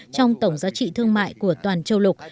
trong tổng giá trị thương mại của toàn châu lục